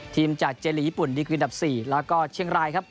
ทีมจากเจลีญี่ปุ่นดิกวิอันดับ๔แล้วก็เชียงรายครับ